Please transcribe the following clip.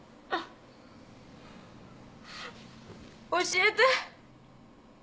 教えて。